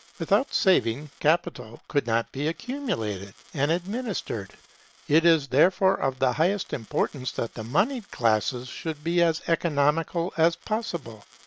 Without saving, capital could not be accumulated and administered; it is therefore of the highest importance that the monied classes should be as economical as possible.